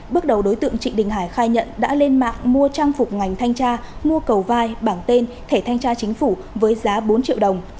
bước đầu đối tượng trịnh đình hải khai nhận đã lên mạng mua trang phục ngành thanh tra mua cầu vai bảng tên thẻ thanh tra chính phủ với giá bốn triệu đồng